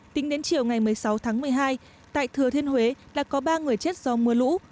tính đến chiều ngày một mươi sáu tháng một mươi hai tại thừa thiên huế đã có ba người chết do mưa lũ